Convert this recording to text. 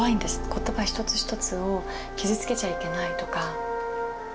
言葉一つ一つを傷つけちゃいけないとか。